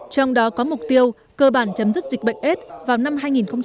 trong đó có mục tiêu cơ bản chấm dứt dịch bệnh s vào năm hai nghìn ba mươi